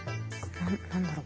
何だろう？